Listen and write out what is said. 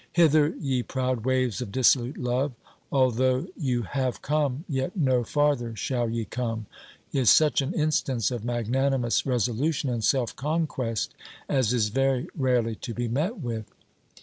Hither, ye proud waves of dissolute love, although you HAVE come, yet no farther SHALL ye come; is such an instance of magnanimous resolution and self conquest, as is very rarely to be met with."